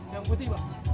yang putih bang